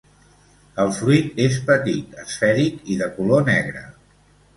El fruit és petit, esfèric i de color negre.